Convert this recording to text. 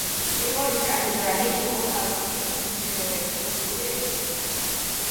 ტრიპოლის კათედრალი იყო ქალაქში რიგით მეორე კათოლიკური ეკლესია.